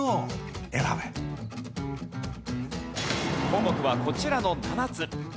項目はこちらの７つ。